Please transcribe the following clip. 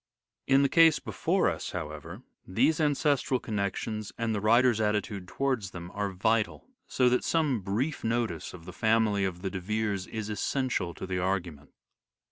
In the case before us, however, these ancestral connections and the writer's attitude towards them, are vital ; so that some brief notice of the family of the De Veres is essential to the argument.